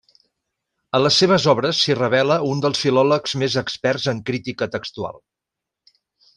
En les seves obres s'hi revela un dels filòlegs més experts en crítica textual.